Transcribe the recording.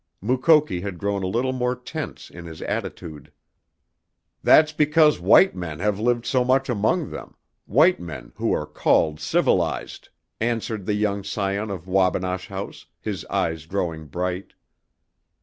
Mukoki had grown a little more tense in his attitude. "That's because white men have lived so much among them, white men who are called civilized," answered the young scion of Wabinosh House, his eyes growing bright.